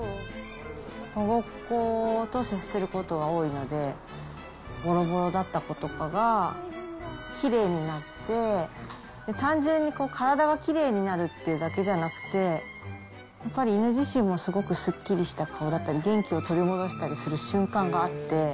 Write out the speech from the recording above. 保護っこと接することが多いので、ぼろぼろだった子とかがきれいになって、単純に体がきれいになるっていうだけじゃなくて、やっぱり犬自身もすごくすっきりした顔だったり、元気を取り戻したりする瞬間があって。